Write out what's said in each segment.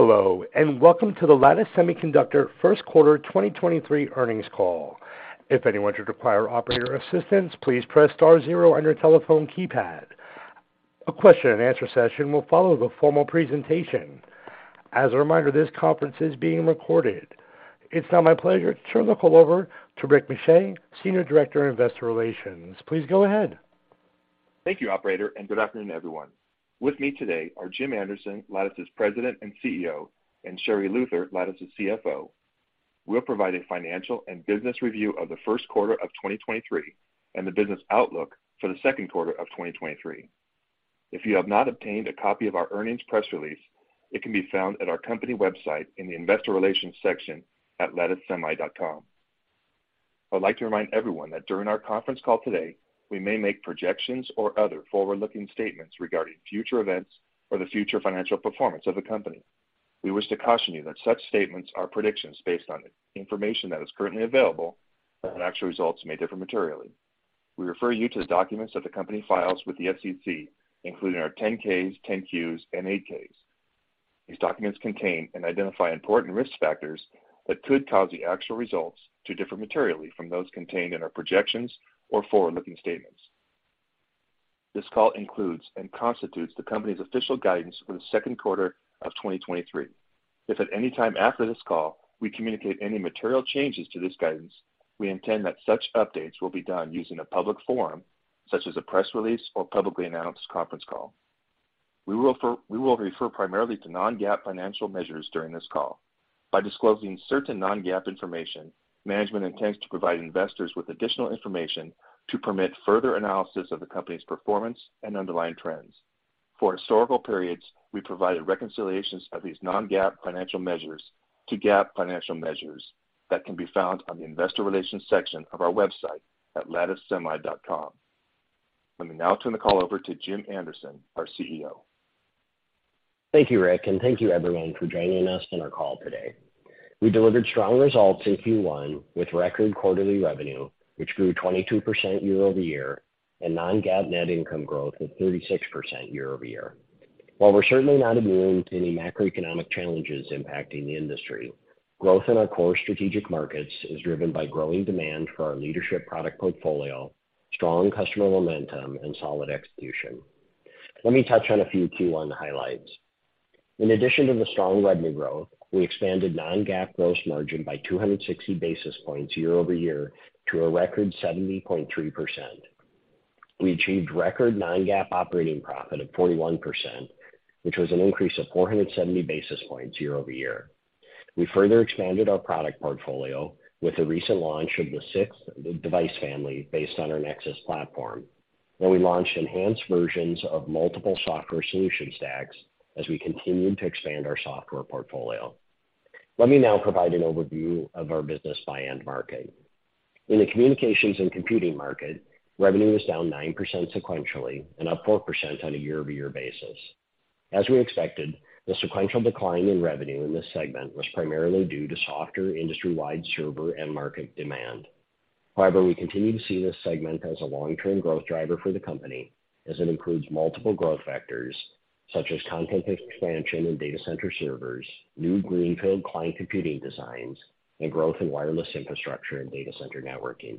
Hello, welcome to the Lattice Semiconductor First Quarter 2023 Earnings Call. If anyone should require operator assistance, please press star zero on your telephone keypad. A question and answer session will follow the formal presentation. As a reminder, this conference is being recorded. It's now my pleasure to turn the call over to Rick Muscha, Senior Director of Investor Relations. Please go ahead. Thank you, operator, and good afternoon, everyone. With me today are Jim Anderson, Lattice's President and CEO, and Sherri Luther, Lattice's CFO. We'll provide a financial and business review of the first quarter of 2023 and the business outlook for the second quarter of 2023. If you have not obtained a copy of our earnings press release, it can be found at our company website in the investor relations section at latticesemi.com. I would like to remind everyone that during our conference call today, we may make projections or other forward-looking statements regarding future events or the future financial performance of the company. We wish to caution you that such statements are predictions based on information that is currently available, but that actual results may differ materially. We refer you to the documents that the company files with the SEC, including our 10-Ks, 10-Qs, and 8-Ks. These documents contain and identify important risk factors that could cause the actual results to differ materially from those contained in our projections or forward-looking statements. This call includes and constitutes the company's official guidance for the second quarter of 2023. If at any time after this call we communicate any material changes to this guidance, we intend that such updates will be done using a public forum, such as a press release or publicly announced conference call. We will refer primarily to non-GAAP financial measures during this call. By disclosing certain non-GAAP information, management intends to provide investors with additional information to permit further analysis of the company's performance and underlying trends. For historical periods, we provided reconciliations of these non-GAAP financial measures to GAAP financial measures that can be found on the investor relations section of our website at latticesemi.com. Let me now turn the call over to Jim Anderson, our CEO. Thank you, Rick, and thank you everyone for joining us on our call today. We delivered strong results in Q1 with record quarterly revenue, which grew 22% year-over-year, and non-GAAP net income growth of 36% year-over-year. While we're certainly not immune to any macroeconomic challenges impacting the industry, growth in our core strategic markets is driven by growing demand for our leadership product portfolio, strong customer momentum, and solid execution. Let me touch on a few Q1 highlights. In addition to the strong revenue growth, we expanded non-GAAP gross margin by 260 basis points year-over-year to a record 70.3%. We achieved record non-GAAP operating profit of 41%, which was an increase of 470 basis points year-over-year. We further expanded our product portfolio with the recent launch of the sixth device family based on our Nexus platform, where we launched enhanced versions of multiple software solution stacks as we continued to expand our software portfolio. Let me now provide an overview of our business by end market. In the communications and computing market, revenue was down 9% sequentially and up 4% on a year-over-year basis. As we expected, the sequential decline in revenue in this segment was primarily due to softer industry-wide server and market demand. However, we continue to see this segment as a long-term growth driver for the company, as it includes multiple growth factors such as content expansion and data center servers, new greenfield client computing designs, and growth in wireless infrastructure and data center networking.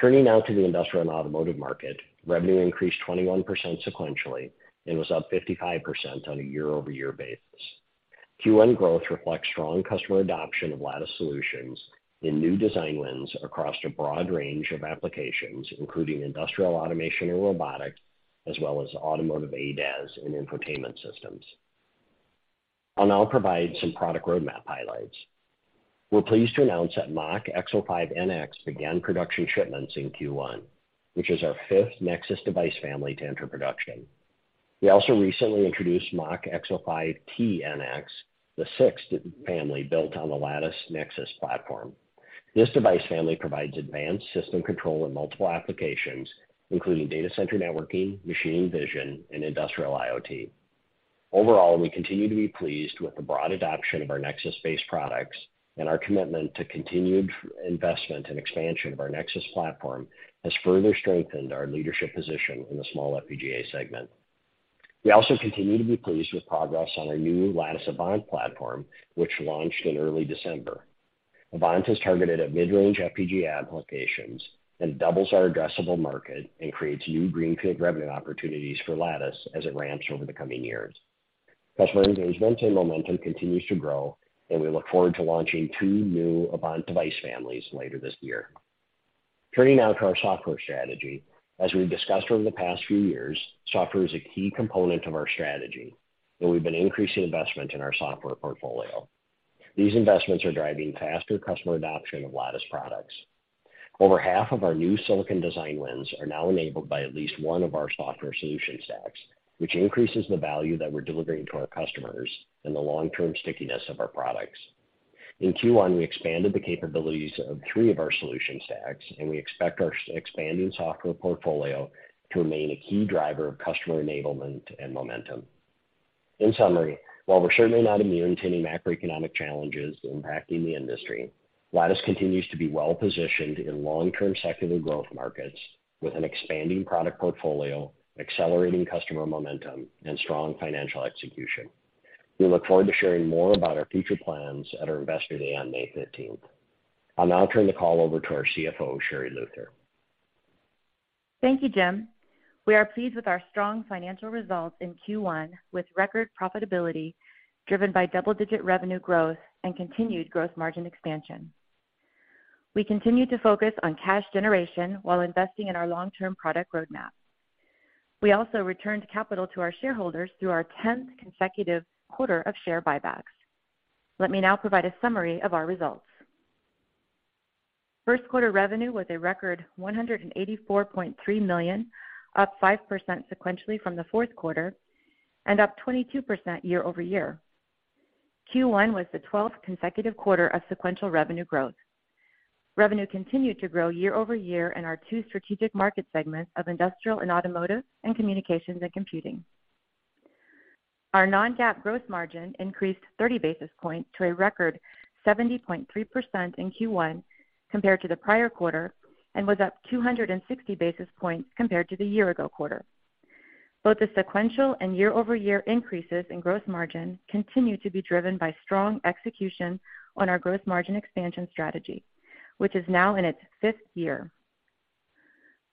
Turning now to the Industrial and Automotive market, revenue increased 21% sequentially and was up 55% on a year-over-year basis. Q1 growth reflects strong customer adoption of Lattice solutions in new design wins across a broad range of applications, including industrial automation and robotics, as well as automotive ADAS and infotainment systems. I'll now provide some product roadmap highlights. We're pleased to announce that MachXO5-NX began production shipments in Q1, which is our fifth Nexus device family to enter production. We also recently introduced MachXO5T-NX, the sixth family built on the Lattice Nexus platform. This device family provides advanced system control in multiple applications, including data center networking, machine vision, and industrial IoT. Overall, we continue to be pleased with the broad adoption of our Nexus-based products, and our commitment to continued investment and expansion of our Nexus platform has further strengthened our leadership position in the small FPGA segment. We also continue to be pleased with progress on our new Lattice Avant platform, which launched in early December. Avant has targeted at mid-range FPGA applications and doubles our addressable market and creates new greenfield revenue opportunities for Lattice as it ramps over the coming years. Customer engagement and momentum continues to grow, and we look forward to launching two new Avant device families later this year. Turning now to our software strategy. As we've discussed over the past few years, software is a key component of our strategy, and we've been increasing investment in our software portfolio. These investments are driving faster customer adoption of Lattice products. Over half of our new silicon design wins are now enabled by at least one of our software solution stacks, which increases the value that we're delivering to our customers and the long-term stickiness of our products. In Q1, we expanded the capabilities of three of our solution stacks, and we expect our expanding software portfolio to remain a key driver of customer enablement and momentum. In summary, while we're certainly not immune to any macroeconomic challenges impacting the industry, Lattice continues to be well positioned in long-term secular growth markets with an expanding product portfolio, accelerating customer momentum, and strong financial execution. We look forward to sharing more about our future plans at our Investor Day on May 15th. I'll now turn the call over to our CFO, Sherri Luther. Thank you, Jim. We are pleased with our strong financial results in Q1, with record profitability driven by double-digit revenue growth and continued growth margin expansion. We continue to focus on cash generation while investing in our long-term product roadmap. We also returned capital to our shareholders through our 10th consecutive quarter of share buybacks. Let me now provide a summary of our results. First quarter revenue was a record $184.3 million, up 5% sequentially from the fourth quarter and up 22% year-over-year. Q1 was the 12th consecutive quarter of sequential revenue growth. Revenue continued to grow year-over-year in our two strategic market segments of industrial and automotive and communications and computing. Our non-GAAP gross margin increased 30 basis points to a record 70.3% in Q1 compared to the prior quarter, and was up 260 basis points compared to the year-ago quarter. Both the sequential and year-over-year increases in gross margin continue to be driven by strong execution on our growth margin expansion strategy, which is now in its fifth year.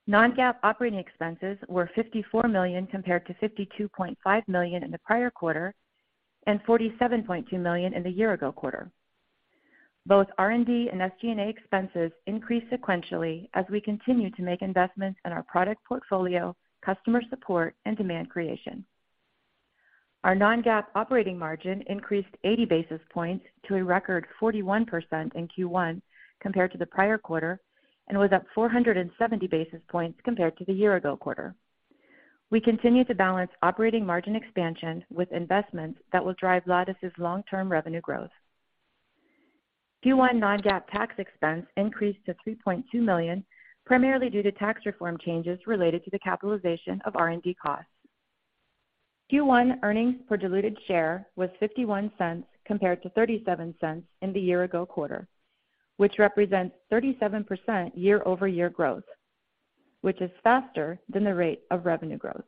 Non-GAAP operating expenses were $54 million compared to $52.5 million in the prior quarter and $47.2 million in the year-ago quarter. Both R&D and SG&A expenses increased sequentially as we continue to make investments in our product portfolio, customer support and demand creation. Our non-GAAP operating margin increased 80 basis points to a record 41% in Q1 compared to the prior quarter and was up 470 basis points compared to the year-ago quarter. We continue to balance operating margin expansion with investments that will drive Lattice's long-term revenue growth. Q1 non-GAAP tax expense increased to $3.2 million, primarily due to tax reform changes related to the capitalization of R&D costs. Q1 earnings per diluted share was $0.51 compared to $0.37 in the year-ago quarter, which represents 37% year-over-year growth, which is faster than the rate of revenue growth.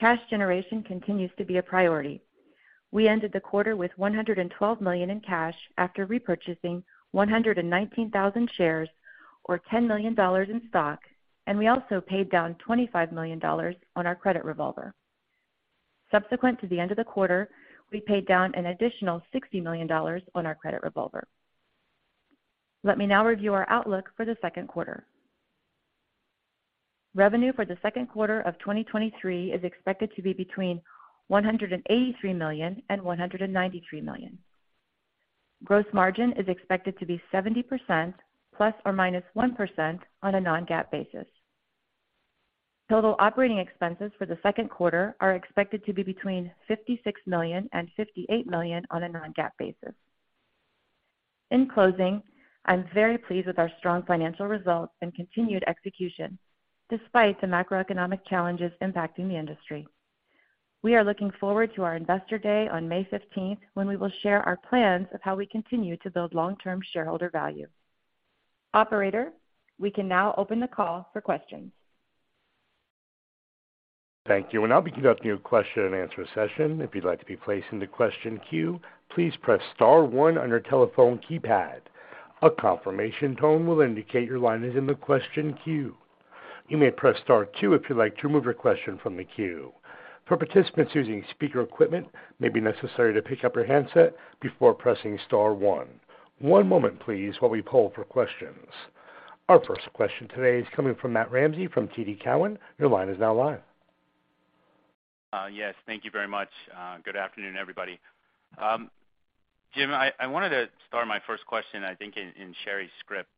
Cash generation continues to be a priority. We ended the quarter with $112 million in cash after repurchasing 119,000 shares or $10 million in stock. We also paid down $25 million on our credit revolver. Subsequent to the end of the quarter, we paid down an additional $60 million on our credit revolver. Let me now review our outlook for the second quarter. Revenue for the second quarter of 2023 is expected to be between $183 million and $193 million. Gross margin is expected to be 70% ±1% on a non-GAAP basis. Total operating expenses for the second quarter are expected to be between $56 million and $58 million on a non-GAAP basis. In closing, I'm very pleased with our strong financial results and continued execution despite the macroeconomic challenges impacting the industry. We are looking forward to our Investor Day on May 15th, when we will share our plans of how we continue to build long-term shareholder value. Operator, we can now open the call for questions. Thank you. We'll now begin with your question-and-answer session. If you'd like to be placed in the question queue, please press star one on your telephone keypad. A confirmation tone will indicate your line is in the question queue. You may press star two if you'd like to remove your question from the queue. For participants using speaker equipment, it may be necessary to pick up your handset before pressing star one. One moment please while we poll for questions. Our first question today is coming from Matt Ramsay from TD Cowen. Your line is now live. Yes, thank you very much. Good afternoon, everybody. Jim, I wanted to start my first question. I think in Sherri's script,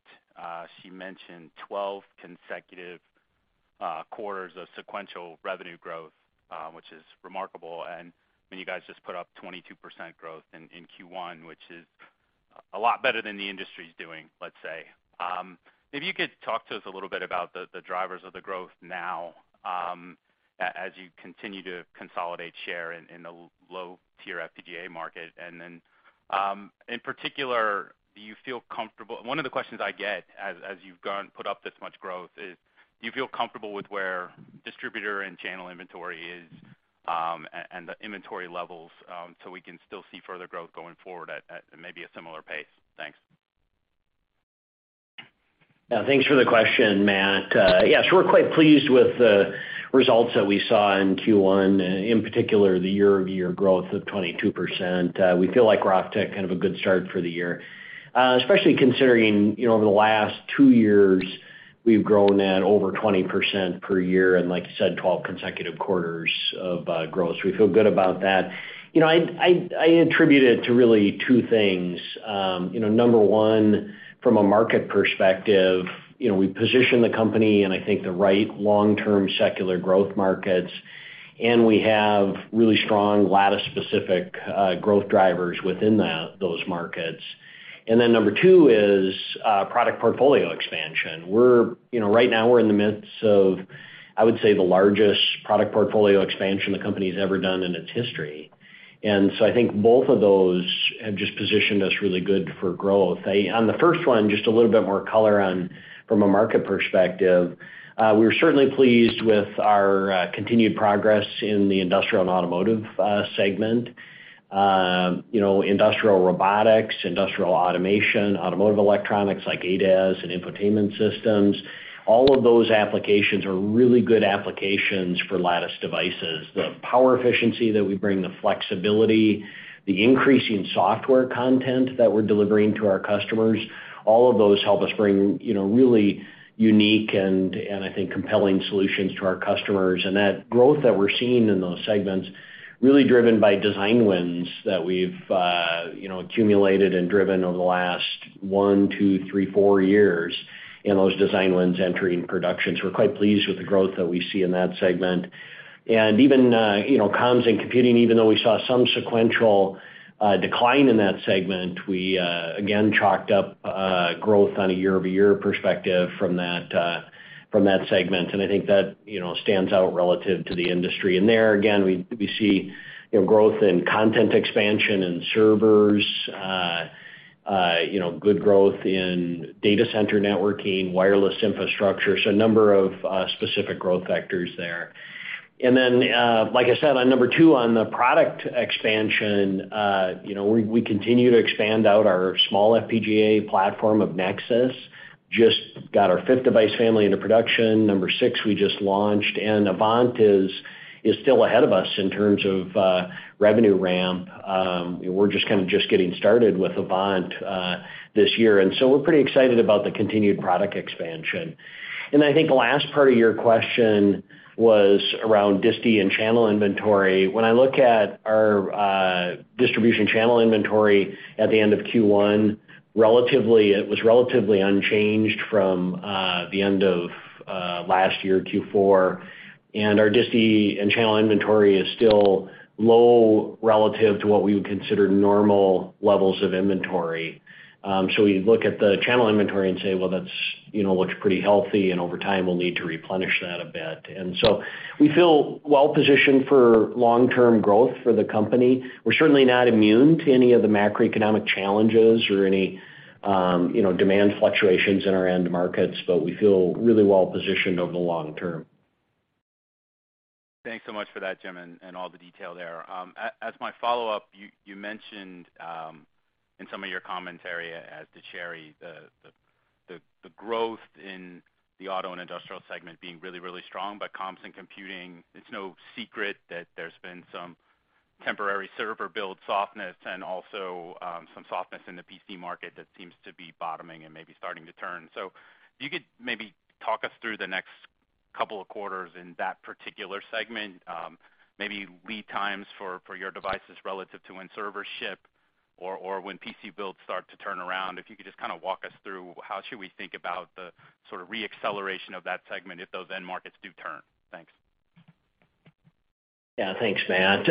she mentioned 12 consecutive quarters of sequential revenue growth, which is remarkable. When you guys just put up 22% growth in Q1, which is a lot better than the industry's doing, let's say. If you could talk to us a little bit about the drivers of the growth now, as you continue to consolidate share in the low tier FPGA market. In particular, One of the questions I get as you've gone put up this much growth is, do you feel comfortable with where distributor and channel inventory is, and the inventory levels, so we can still see further growth going forward at maybe a similar pace? Thanks. Yeah, thanks for the question, Matt. Yes, we're quite pleased with the results that we saw in Q1, in particular, the year-over-year growth of 22%. We feel like we're off to kind of a good start for the year, especially considering, you know, over the last two years, we've grown at over 20% per year, and like you said, 12 consecutive quarters of growth. We feel good about that. You know, I attribute it to really 2 things. Number one, from a market perspective, you know, we position the company in, I think, the right long-term secular growth markets, and we have really strong Lattice specific growth drivers within that, those markets. Number two is product portfolio expansion. You know, right now we're in the midst of, I would say, the largest product portfolio expansion the company's ever done in its history. I think both of those have just positioned us really good for growth. On the first one, just a little bit more color on from a market perspective, we're certainly pleased with our continued progress in the industrial and automotive segment. You know, industrial robotics, industrial automation, automotive electronics like ADAS and infotainment systems, all of those applications are really good applications for Lattice devices. The power efficiency that we bring, the flexibility, the increasing software content that we're delivering to our customers, all of those help us bring, you know, really unique and I think compelling solutions to our customers. That growth that we're seeing in those segments really driven by design wins that we've, you know, accumulated and driven over the last one, two, three, four years, and those design wins entering production. We're quite pleased with the growth that we see in that segment. Even, you know, comms and computing, even though we saw some sequential decline in that segment, we again, chalked up growth on a year-over-year perspective from that from that segment. I think that, you know, stands out relative to the industry. There again, we see, you know, growth in content expansion and servers, you know, good growth in data center networking, wireless infrastructure. A number of specific growth vectors there. Like I said, on number two, on the product expansion, you know, we continue to expand out our small FPGA platform of Nexus. Just got our fifth device family into production. six, we just launched. Avant is still ahead of us in terms of revenue ramp. We're just getting started with Avant this year. We're pretty excited about the continued product expansion. I think the last part of your question was around disti and channel inventory. When I look at our distribution channel inventory at the end of Q1, it was relatively unchanged from the end of last year, Q4. Our disti and channel inventory is still low relative to what we would consider normal levels of inventory. We look at the channel inventory and say, "Well, that's, you know, looks pretty healthy, and over time, we'll need to replenish that a bit." We feel well-positioned for long-term growth for the company. We're certainly not immune to any of the macroeconomic challenges or any, you know, demand fluctuations in our end markets, but we feel really well-positioned over the long term. Thanks so much for that, Jim, and all the detail there. As my follow-up, you mentioned in some of your commentary as to Sherri Luther, the growth in the auto and industrial segment being really strong. Comms and computing, it's no secret that there's been some temporary server build softness and also some softness in the PC market that seems to be bottoming and maybe starting to turn. If you could maybe talk us through the next couple of quarters in that particular segment, maybe lead times for your devices relative to when servers ship or when PC builds start to turn around. If you could just kind of walk us through how should we think about the sort of re-acceleration of that segment if those end markets do turn? Thanks. Yeah. Thanks, Matt.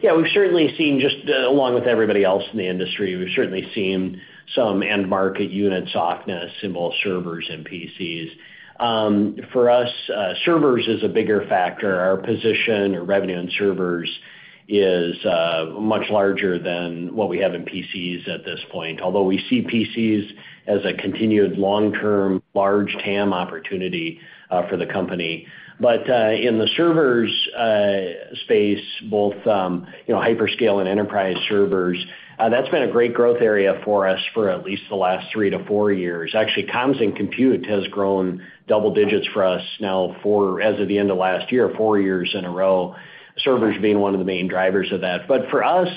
Yeah, we've certainly seen just, along with everybody else in the industry, we've certainly seen some end market unit softness in both servers and PCs. For us, servers is a bigger factor. Our position or revenue in servers is much larger than what we have in PCs at this point. We see PCs as a continued long-term, large TAM opportunity for the company. In the servers space, both, you know, hyperscale and enterprise servers, that's been a great growth area for us for at least the last three to four years. Actually, comms and compute has grown double digits for us now for, as of the end of last year, four years in a row, servers being one of the main drivers of that. For us,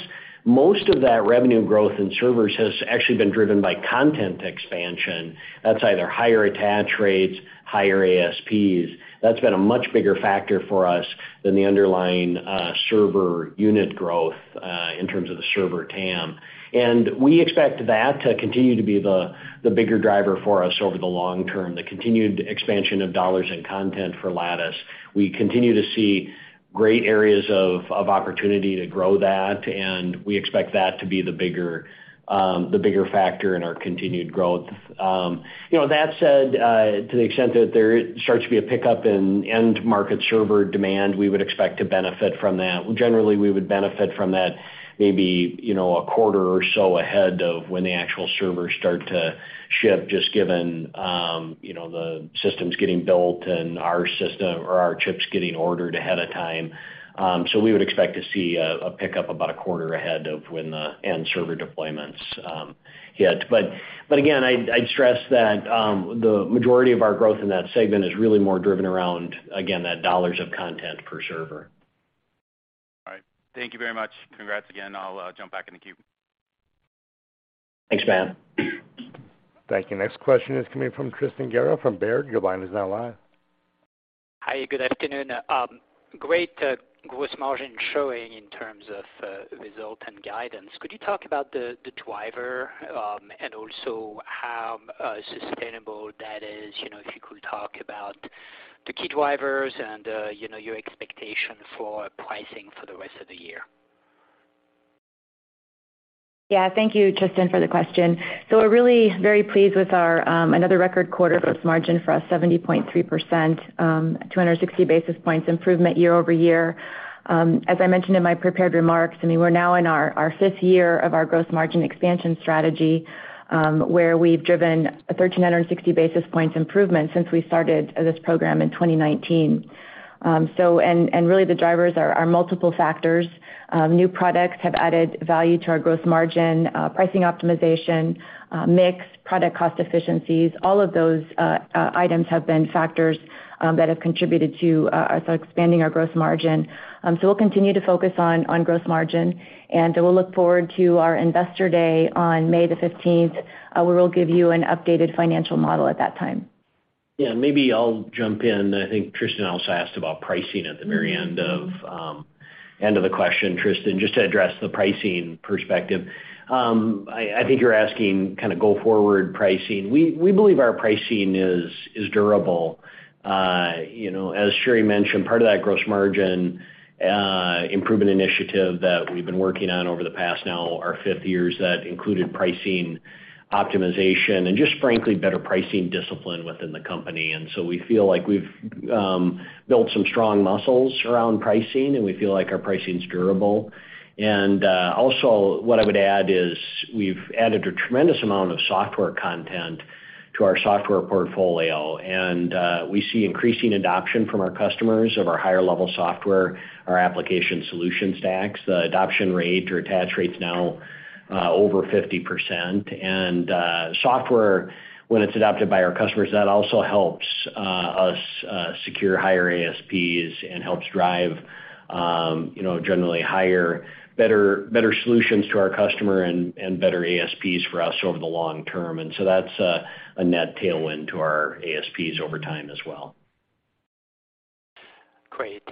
most of that revenue growth in servers has actually been driven by content expansion. That's either higher attach rates, higher ASPs. That's been a much bigger factor for us than the underlying server unit growth in terms of the server TAM. We expect that to continue to be the bigger driver for us over the long term, the continued expansion of dollars in content for Lattice. We continue to see great areas of opportunity to grow that, and we expect that to be the bigger factor in our continued growth. You know, that said, to the extent that there starts to be a pickup in end market server demand, we would expect to benefit from that. Generally, we would benefit from that maybe, you know, a quarter or so ahead of when the actual servers start to ship, just given, you know, the systems getting built and our system or our chips getting ordered ahead of time. We would expect to see a pickup about a quarter ahead of when the end server deployments hit. Again, I'd stress that, the majority of our growth in that segment is really more driven around, again, that dollars of content per server. All right. Thank you very much. Congrats again. I'll jump back in the queue. Thanks, Matt. Thank you. Next question is coming from Tristan Gerra from Baird. Your line is now live. Hi, good afternoon. Great gross margin showing in terms of result and guidance. Could you talk about the driver, and also how sustainable that is? You know, if you could talk about the key drivers and, you know, your expectation for pricing for the rest of the year. Yeah. Thank you, Tristan, for the question. We're really very pleased with our, another record quarter gross margin for us, 70.3%, 260 basis points improvement year-over-year. As I mentioned in my prepared remarks, we're now in our 5th year of our gross margin expansion strategy, where we've driven a 1,360 basis points improvement since we started this program in 2019. Really the drivers are multiple factors. New products have added value to our gross margin, pricing optimization, mix, product cost efficiencies, all of those items have been factors that have contributed to us expanding our gross margin. We'll continue to focus on gross margin, and we'll look forward to our Investor Day on May the 15th, where we'll give you an updated financial model at that time. Yeah. Maybe I'll jump in. I think Tristan also asked about pricing at the very end of end of the question, Tristan. Just to address the pricing perspective. I think you're asking kinda go forward pricing. We believe our pricing is durable. You know, as Sherri mentioned, part of that gross margin improvement initiative that we've been working on over the past now our fifth years, that included pricing optimization and just frankly better pricing discipline within the company. So we feel like we've built some strong muscles around pricing, and we feel like our pricing's durable. Also what I would add is we've added a tremendous amount of software content to our software portfolio, and we see increasing adoption from our customers of our higher-level software, our application solution stacks. The adoption rate or attach rate's now over 50%. Software, when it's adopted by our customers, that also helps us secure higher ASPs and helps drive, you know, generally higher, better solutions to our customer and better ASPs for us over the long term. That's a net tailwind to our ASPs over time as well. Great.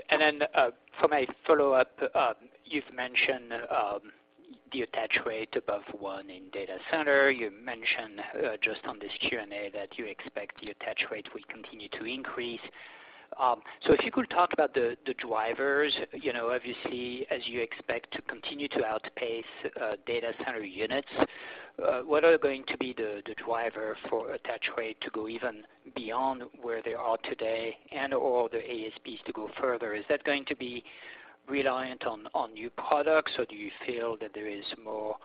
For my follow-up, you've mentioned the attach rate above 1 in data center. You mentioned just on this Q&A that you expect the attach rate will continue to increase. If you could talk about the drivers, you know, obviously, as you expect to continue to outpace data center units, what are going to be the driver for attach rate to go even beyond where they are today and/or the ASPs to go further? Is that going to be reliant on new products, or do you feel that there is more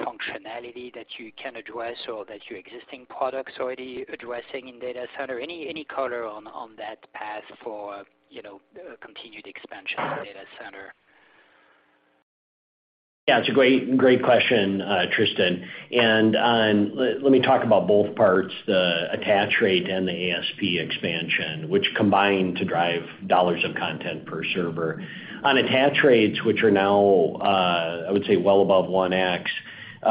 functionality that you can address or that your existing products already addressing in data center? Any color on that path for, you know, continued expansion in data center? Yeah. It's a great question, Tristan. Let me talk about both parts, the attach rate and the ASP expansion, which combine to drive dollars of content per server. On attach rates, which are now, I would say well above 1x,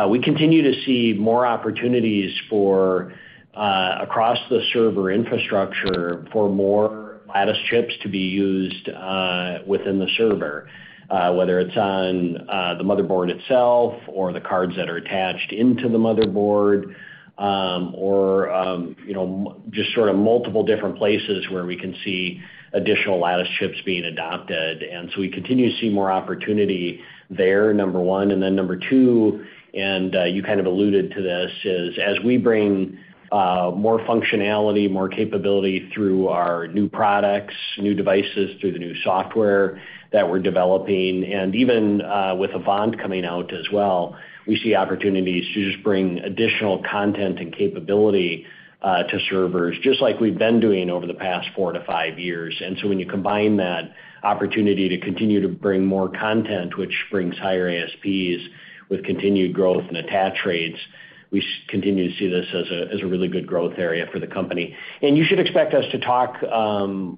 we continue to see more opportunities for across the server infrastructure for more Lattice chips to be used within the server, whether it's on the motherboard itself or the cards that are attached into the motherboard, or, you know, just sort of multiple different places where we can see additional Lattice chips being adopted. We continue to see more opportunity there, number one. and you kind of alluded to this, is as we bring more functionality, more capability through our new products, new devices, through the new software that we're developing, and even with Avant coming out as well, we see opportunities to just bring additional content and capability to servers just like we've been doing over the past four to five years. When you combine that opportunity to continue to bring more content, which brings higher ASPs with continued growth and attach rates, we continue to see this as a really good growth area for the company. You should expect us to talk in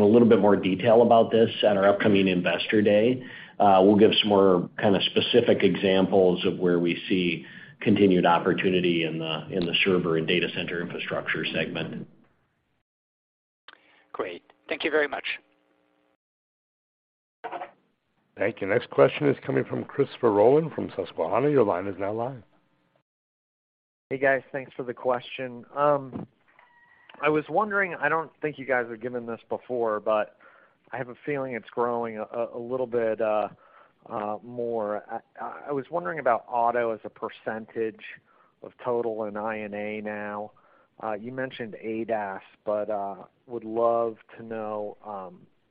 a little bit more detail about this at our upcoming Investor Day. We'll give some more kinda specific examples of where we see continued opportunity in the, in the server and data center infrastructure segment. Great. Thank you very much. Thank you. Next question is coming from Christopher Rolland from Susquehanna. Your line is now live. Hey, guys. Thanks for the question. I was wondering, I don't think you guys have given this before, but I have a feeling it's growing a little bit more. I was wondering about auto as a percentage of total in INA now. You mentioned ADAS, but would love to know,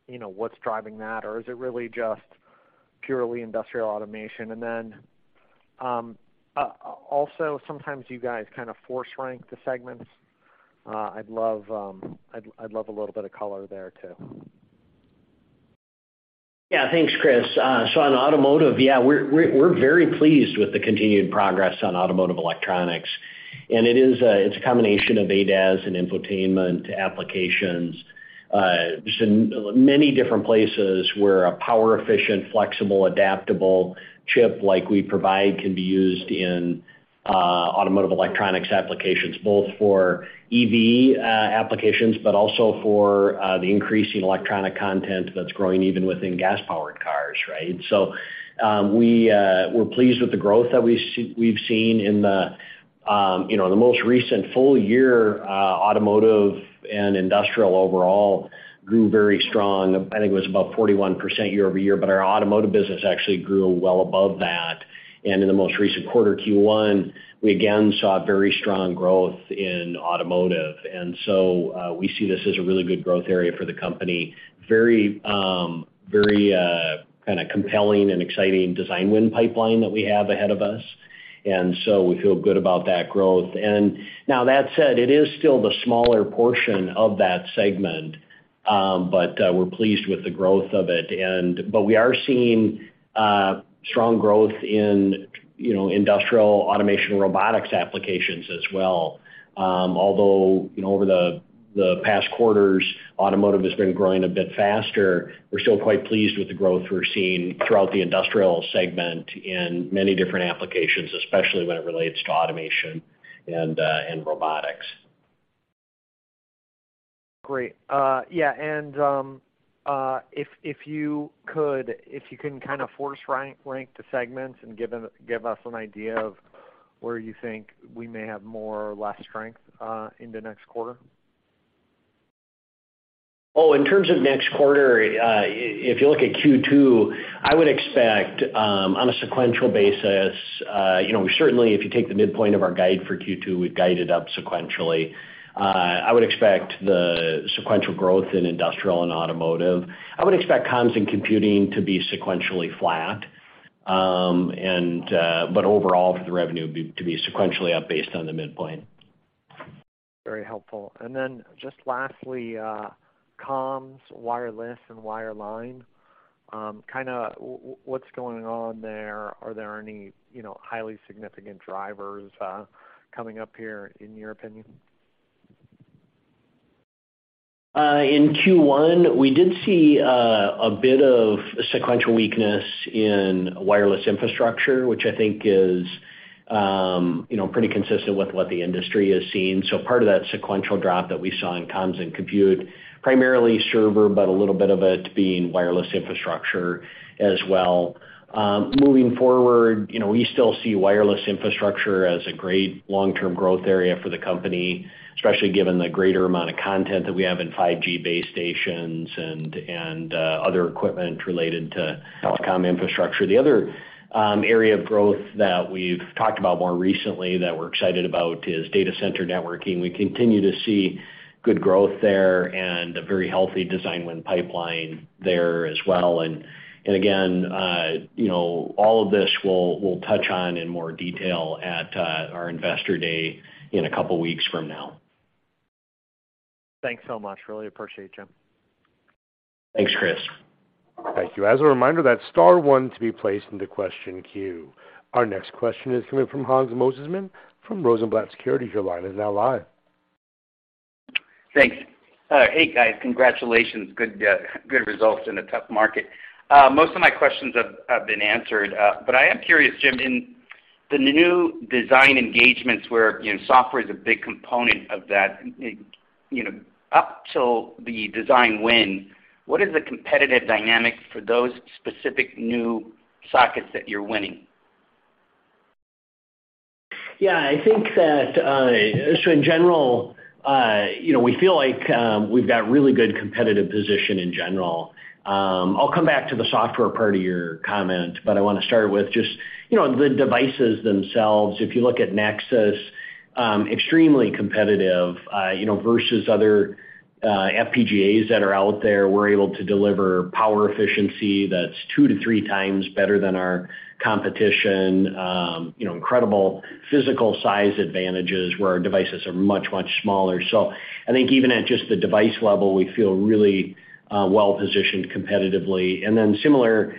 you know, what's driving that, or is it really just purely industrial automation? Also sometimes you guys kind of force rank the segments. I'd love a little bit of color there too. Thanks, Chris. On automotive, we're very pleased with the continued progress on automotive electronics, and it is a, it's a combination of ADAS and infotainment applications, just in many different places where a power-efficient, flexible, adaptable chip like we provide can be used in automotive electronics applications, both for EV applications, but also for the increasing electronic content that's growing even within gas-powered cars, right? We're pleased with the growth that we've seen in the, you know, the most recent full year, automotive and industrial overall grew very strong. I think it was about 41% year-over-year, but our automotive business actually grew well above that. In the most recent quarter, Q1, we again saw very strong growth in automotive. We see this as a really good growth area for the company. Very, kinda compelling and exciting design win pipeline that we have ahead of us. We feel good about that growth. Now that said, it is still the smaller portion of that segment, but we're pleased with the growth of it. We are seeing strong growth in, you know, industrial automation robotics applications as well. You know, over the past quarters, automotive has been growing a bit faster, we're still quite pleased with the growth we're seeing throughout the industrial segment in many different applications, especially when it relates to automation and robotics. Great. Yeah. If you could, if you can kind of force rank the segments and give us an idea of where you think we may have more or less strength into next quarter. In terms of next quarter, if you look at Q2, I would expect on a sequential basis. You know, we certainly, if you take the midpoint of our guide for Q2, we've guided up sequentially. I would expect the sequential growth in Industrial and Automotive. I would expect Comms and Computing to be sequentially flat. Overall, for the revenue to be sequentially up based on the midpoint. Very helpful. Just lastly, comms, wireless, and wireline, kinda what's going on there? Are there any, you know, highly significant drivers, coming up here in your opinion? In Q1, we did see a bit of sequential weakness in wireless infrastructure, which I think is, you know, pretty consistent with what the industry has seen. Part of that sequential drop that we saw in comms and compute, primarily server, but a little bit of it being wireless infrastructure as well. Moving forward, you know, we still see wireless infrastructure as a great long-term growth area for the company, especially given the greater amount of content that we have in 5G base stations and other equipment related to telecom infrastructure. The other area of growth that we've talked about more recently that we're excited about is data center networking. We continue to see good growth there and a very healthy design win pipeline there as well. Again, you know, all of this we'll touch on in more detail at our Investor Day in a couple weeks from now. Thanks so much. Really appreciate it, Jim. Thanks, Chris. Thank you. As a reminder, that's star one to be placed into question queue. Our next question is coming from Hans Mosesmann from Rosenblatt Securities. Your line is now live. Thanks. Hey, guys. Congratulations. Good results in a tough market. Most of my questions have been answered. I am curious, Jim, in the new design engagements where, you know, software is a big component of that, you know, up till the design win, what is the competitive dynamic for those specific new sockets that you're winning? I think that in general, you know, we feel like we've got really good competitive position in general. I'll come back to the software part of your comment, but I wanna start with just, you know, the devices themselves. If you look at Nexus, extremely competitive, you know, versus other FPGAs that are out there. We're able to deliver power efficiency that's two to three times better than our competition, you know, incredible physical size advantages where our devices are much, much smaller. I think even at just the device level, we feel really well positioned competitively. Similar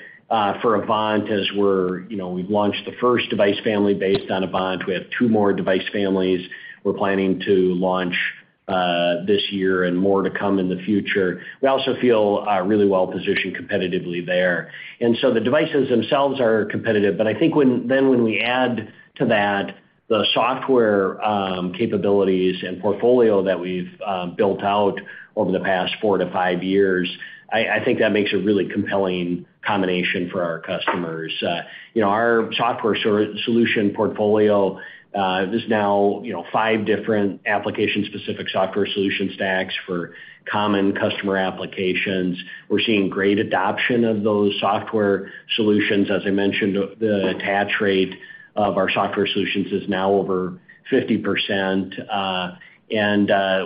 for Avant, as we're, you know, we've launched the first device family based on Avant. We have two more device families we're planning to launch this year and more to come in the future. We also feel really well positioned competitively there. The devices themselves are competitive. I think when we add to that the software capabilities and portfolio that we've built out over the past 4-5 years, I think that makes a really compelling combination for our customers. You know, our software solution portfolio is now, you know, five different application-specific software solution stacks for common customer applications. We're seeing great adoption of those software solutions. As I mentioned, the attach rate of our software solutions is now over 50%.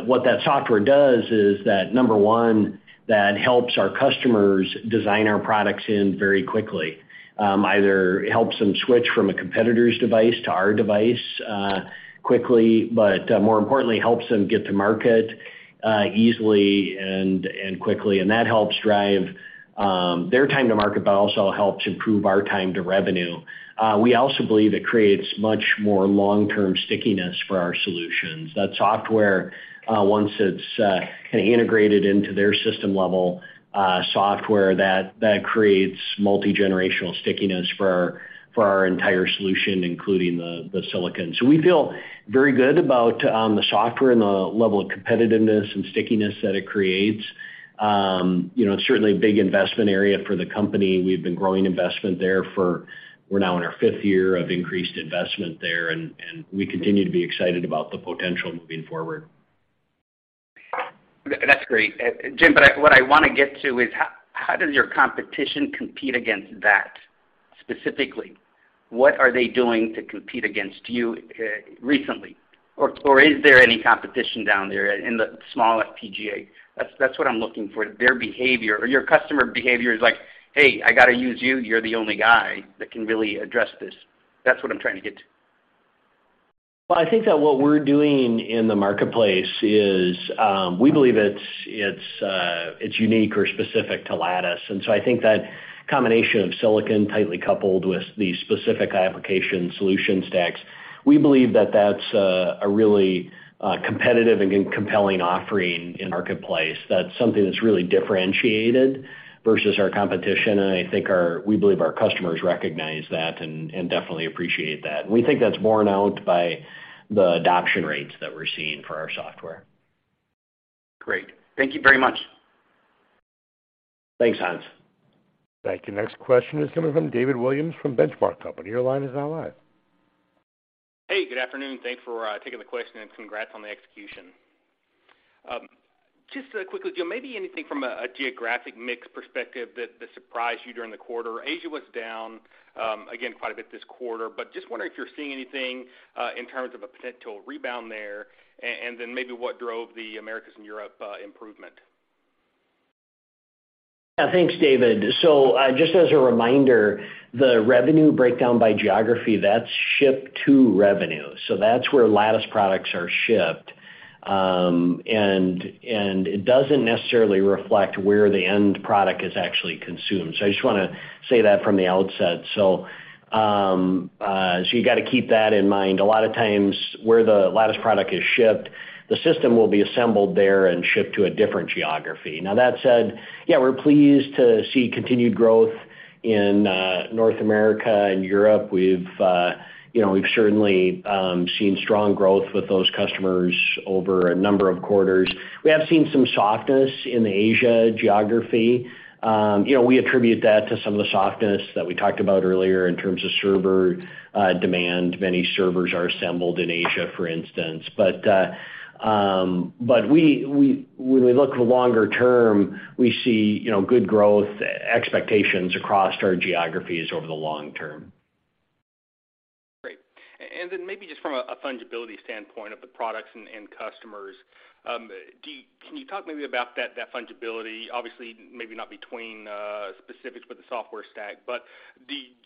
What that software does is number one, that helps our customers design our products in very quickly. Either helps them switch from a competitor's device to our device quickly, but more importantly, helps them get to market easily and quickly. That helps drive their time to market, but also helps improve our time to revenue. We also believe it creates much more long-term stickiness for our solutions. That software, once it's kinda integrated into their system-level software, that creates multi-generational stickiness for our entire solution, including the silicon. We feel very good about the software and the level of competitiveness and stickiness that it creates. You know, it's certainly a big investment area for the company. We've been growing investment there. We're now in our fifth year of increased investment there, and we continue to be excited about the potential moving forward. That's great, Jim. What I wanna get to is how does your competition compete against that specifically? What are they doing to compete against you, recently? Is there any competition down there in the small FPGA? That's what I'm looking for. Their behavior or your customer behavior is like, "Hey, I gotta use you. You're the only guy that can really address this." That's what I'm trying to get to. Well, I think that what we're doing in the marketplace is, we believe it's, it's unique or specific to Lattice. I think that combination of silicon tightly coupled with the specific application solution stacks, we believe that that's a really competitive and compelling offering in marketplace. That's something that's really differentiated versus our competition, and I think we believe our customers recognize that and definitely appreciate that. We think that's borne out by the adoption rates that we're seeing for our software. Great. Thank you very much. Thanks, Hans. Thank you. Next question is coming from David Williams from Benchmark Company. Your line is now live. Hey, good afternoon. Thanks for taking the question. Congrats on the execution. Just quickly, Jim, maybe anything from a geographic mix perspective that surprised you during the quarter? Asia was down again quite a bit this quarter. Just wondering if you're seeing anything in terms of a potential rebound there, and then maybe what drove the Americas and Europe improvement? Yeah. Thanks, David. Just as a reminder, the revenue breakdown by geography, that's shipped to revenue. That's where Lattice products are shipped. It doesn't necessarily reflect where the end product is actually consumed. I just wanna say that from the outset. You gotta keep that in mind. A lot of times, where the Lattice product is shipped, the system will be assembled there and shipped to a different geography. That said, yeah, we're pleased to see continued growth in North America and Europe. We've, you know, we've certainly seen strong growth with those customers over a number of quarters. We have seen some softness in the Asia geography. You know, we attribute that to some of the softness that we talked about earlier in terms of server demand. Many servers are assembled in Asia, for instance. When we look longer term, we see, you know, good growth expectations across our geographies over the long term. Great. Then maybe just from a fungibility standpoint of the products and customers, can you talk maybe about that fungibility, obviously maybe not between specifics with the software stack, but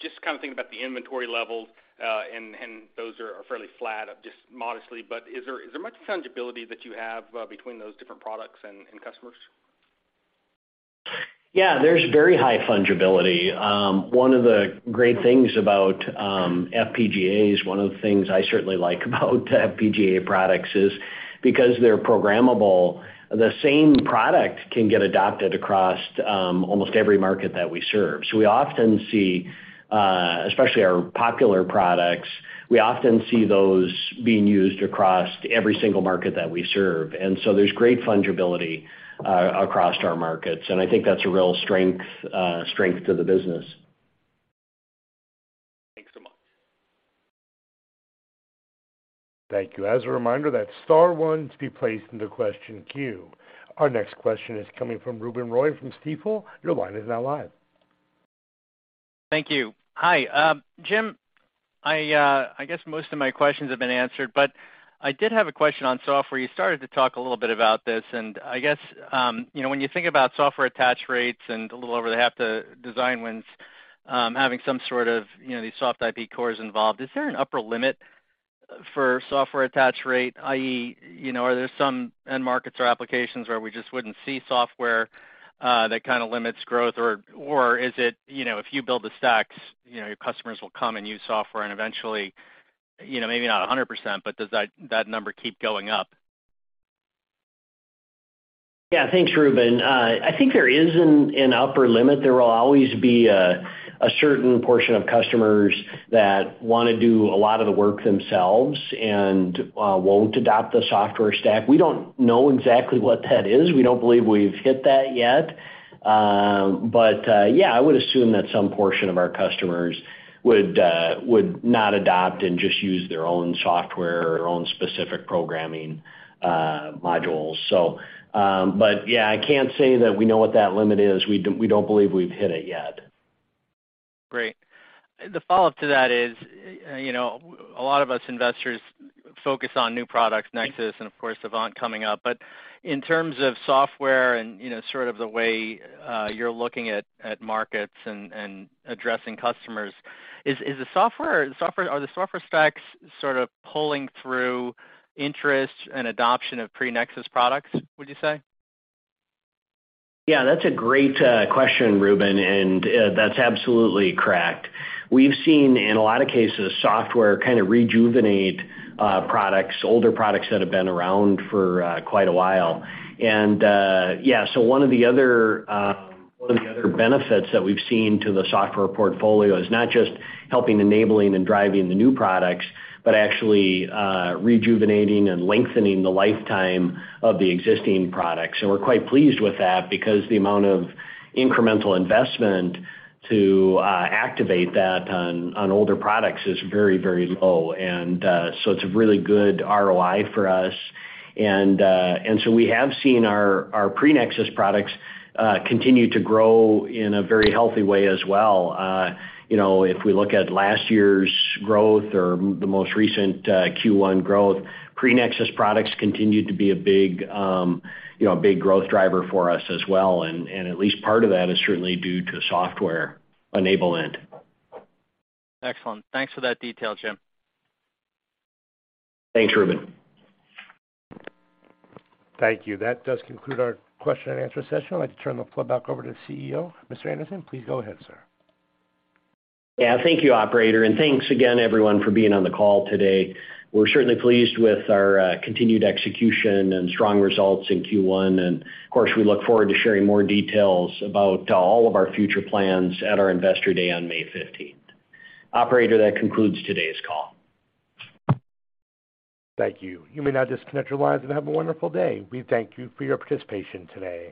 just kind of thinking about the inventory levels, and those are fairly flat, just modestly, but is there much fungibility that you have between those different products and customers? Yeah, there's very high fungibility. One of the great things about FPGAs, one of the things I certainly like about FPGA products is because they're programmable, the same product can get adopted across almost every market that we serve. We often see, especially our popular products, we often see those being used across every single market that we serve. There's great fungibility across our markets, and I think that's a real strength to the business. Thanks so much. Thank you. As a reminder, that's star one to be placed in the question queue. Our next question is coming from Ruben Roy from Stifel. Your line is now live. Thank you. Hi, Jim, I guess most of my questions have been answered, but I did have a question on software. You started to talk a little bit about this, and I guess, you know, when you think about software attach rates and a little over the half the design wins, having some sort of, you know, these soft IP cores involved, is there an upper limit for software attach rate, i.e., you know, are there some end markets or applications where we just wouldn't see software, that kinda limits growth? Is it, you know, if you build the stacks, you know, your customers will come and use software and eventually, you know, maybe not 100%, but does that number keep going up? Yeah. Thanks, Ruben. I think there is an upper limit. There will always be a certain portion of customers that wanna do a lot of the work themselves and won't adopt the software stack. We don't know exactly what that is. We don't believe we've hit that yet. But, yeah, I would assume that some portion of our customers would not adopt and just use their own software or own specific programming modules. Yeah, I can't say that we know what that limit is. We don't believe we've hit it yet. Great. The follow-up to that is, you know, a lot of us investors focus on new products, Nexus and of course Avant coming up. In terms of software and, you know, sort of the way, you're looking at markets and addressing customers, Are the software stacks sort of pulling through interest and adoption of pre-Nexus products, would you say? Yeah, that's a great question, Ruben. That's absolutely correct. We've seen, in a lot of cases, software kinda rejuvenate products, older products that have been around for quite a while. Yeah, one of the other benefits that we've seen to the software portfolio is not just helping enabling and driving the new products but actually rejuvenating and lengthening the lifetime of the existing products. We're quite pleased with that because the amount of incremental investment to activate that on older products is very, very low. It's a really good ROI for us. We have seen our pre-Nexus products continue to grow in a very healthy way as well. You know, if we look at last year's growth or the most recent Q1 growth, pre-Nexus products continued to be a big, you know, a big growth driver for us as well. At least part of that is certainly due to software enablement. Excellent. Thanks for that detail, Jim. Thanks, Ruben. Thank you. That does conclude our question and answer session. I'd like to turn the floor back over to the CEO. Mr. Anderson, please go ahead, sir. Yeah. Thank you, operator. Thanks again everyone for being on the call today. We're certainly pleased with our continued execution and strong results in Q1. Of course, we look forward to sharing more details about all of our future plans at our Investor Day on May 15th. Operator, that concludes today's call. Thank you. You may now disconnect your lines and have a wonderful day. We thank you for your participation today.